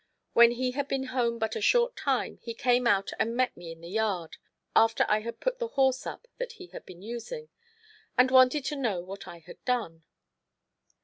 When he had been home but a short time he came out and met me in the yard, after I had put the horse up that he had been using, and wanted to know what I had done.